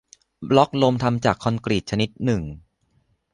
บล็อกลมทำจากคอนกรีตชนิดหนึ่ง